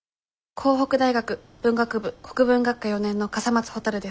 甲北大学文学部国文学科４年の笠松ほたるです。